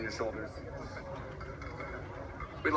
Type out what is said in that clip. โอ้แบทเตอร์แกน่ะ